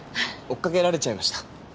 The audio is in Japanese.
追っ掛けられちゃいました。